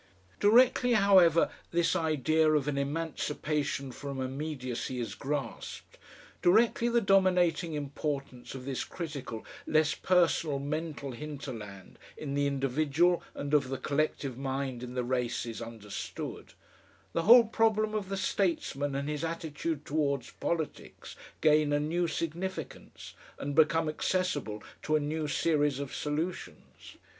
Directly, however, this idea of an emancipation from immediacy is grasped, directly the dominating importance of this critical, less personal, mental hinterland in the individual and of the collective mind in the race is understood, the whole problem of the statesman and his attitude towards politics gain a new significance, and becomes accessible to a new series of solutions.